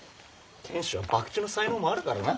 賢秀は博打の才能もあるからな。